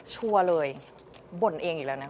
ชัวร์เลยบ่นเองอยู่แล้วนะ